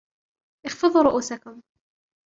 اخفضوا رؤوسكم!